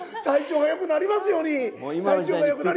体調が良くなりますように！